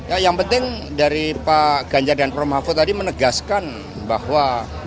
ya yang penting dari pak ganjar dan prof mahfud tadi menegaskan bahwa